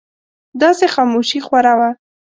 داسې خاموشي خوره وه.